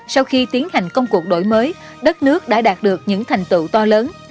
sau khi tiến hành công cuộc đổi mới đất nước đã đạt được những thành tựu to lớn